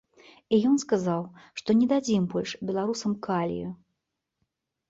І ён сказаў, што не дадзім больш беларусам калію!